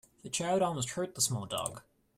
The child almost hurt the small dog.